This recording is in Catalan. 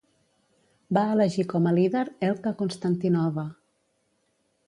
Va elegir com a líder Elka Konstantinova.